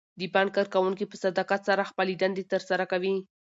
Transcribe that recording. د بانک کارکوونکي په صداقت سره خپلې دندې ترسره کوي.